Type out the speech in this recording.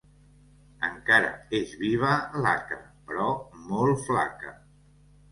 Encara és viva l'haca, però molt flaca.